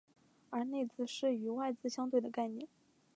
而内字是与外字相对的概念。